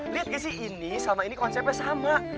lihat gak sih ini selama ini konsepnya sama